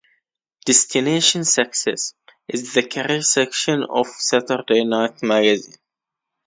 "Destination Success" is the career section of "Saturday Night Magazine".